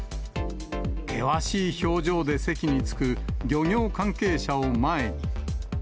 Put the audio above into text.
険しい表情で席に着く漁業関係者を前に。